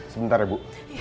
sebentar ya bu